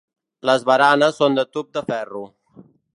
Les baranes són de tub de ferro.